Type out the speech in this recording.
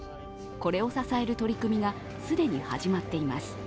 これを支える取り組みが既に始まっています。